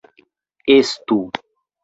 Estu!